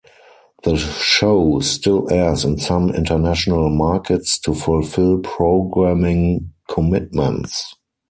The show still airs in some international markets to fulfil programming commitments.